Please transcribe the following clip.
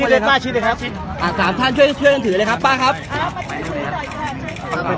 ขอช่วยคุณพี่อีกท่านหนึ่งครับ